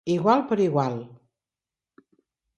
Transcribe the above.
Igual per igual.